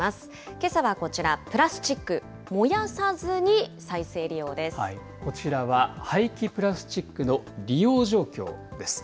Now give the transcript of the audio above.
けさはこちら、プラスチック燃やこちらは廃棄プラスチックの利用状況です。